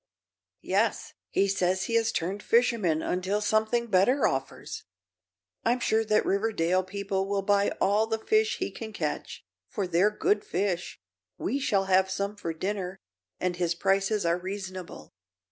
"Yes; he says he has turned fisherman until something better offers. I'm sure that Riverdale people will buy all the fish he can catch, for they're good fish we shall have some for dinner and his prices are reasonable."